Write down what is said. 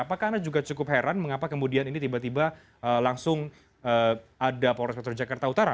apakah anda juga cukup heran mengapa kemudian ini tiba tiba langsung ada polres metro jakarta utara